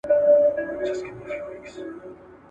انصاف د خلکو ترمنځ باور پیدا کوي.